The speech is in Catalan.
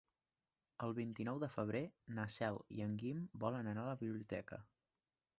El vint-i-nou de febrer na Cel i en Guim volen anar a la biblioteca.